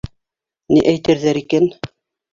Ни әйтерҙәр икән?